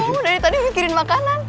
kamu dari tadi mikirin makanan